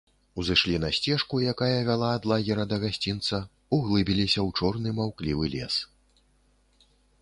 Узышлі на сцежку, якая вяла ад лагера да гасцінца, углыбіліся ў чорны маўклівы лес.